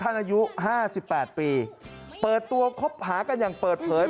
อายุ๕๘ปีเปิดตัวคบหากันอย่างเปิดเผย